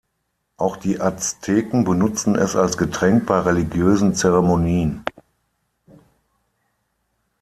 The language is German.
Auch die Azteken benutzten es als Getränk bei religiösen Zeremonien.